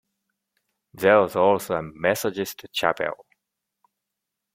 There was also a Methodist chapel.